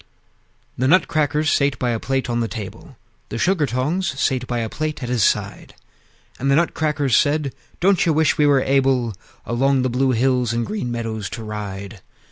The Nutcrackers sate by a plate on the table; The Sugar tongs sate by a plate at his side; And the Nutcrackers said, "Don't you wish we were able Along the blue hills and green meadows to ride?